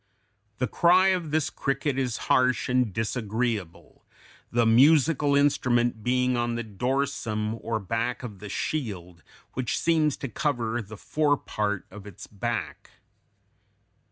The cry of this cricket is harsh and disagreeable, the "musical instrument" being on the dorsum or back of the shield which seems to cover the fore part of its back.